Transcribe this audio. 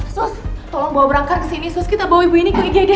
sus tolong bawa berangkar kesini sus kita bawa ibu ini ke igd cepet sus